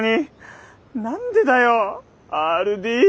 何でだよＲ・Ｄ。